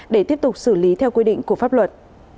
để tiếp tục xử lý theo quy định của pháp luật